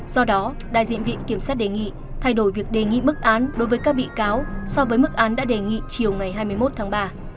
do đó đại diện viện kiểm sát đề nghị thay đổi việc đề nghị mức án đối với các bị cáo so với mức án đã đề nghị chiều ngày hai mươi một tháng ba